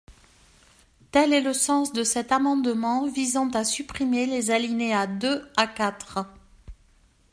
Tel est le sens de cet amendement visant à supprimer les alinéas deux à quatre.